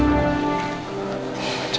ya terima kasih